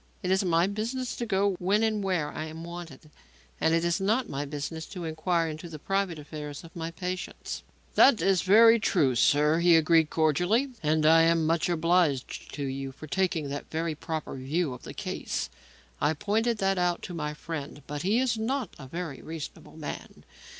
"It is my business to go when and where I am wanted, and it is not my business to inquire into the private affairs of my patients." "That is very true, sir," he agreed cordially, "and I am much obliged to you for taking that very proper view of the case. I pointed that out to my friend, but he is not a very reasonable man.